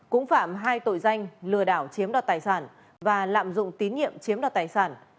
cũng phạm hai tội danh lừa đảo chiếm đoạt tài sản và lạm dụng tín nhiệm chiếm đoạt tài sản